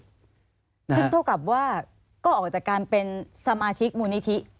ซึ่งเท่ากับว่าก็ออกจากการเป็นสมาชิกมูลนิธิ